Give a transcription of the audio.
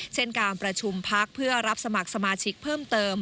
เช่นการประชุมพักเพื่อรับสมัครสมาชิกเพิ่มเติม